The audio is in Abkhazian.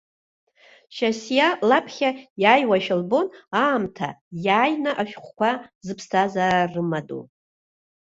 Шьасиа лаԥхьа иаауашәа лбон, аамҭа иаиааины ашәҟәқәа зыԥсҭазаара рымадоу.